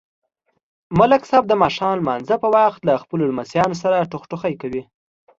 ملک صاحب د ماښام نمانځه په وخت له خپلو لمسیانو سره ټخټخی کوي.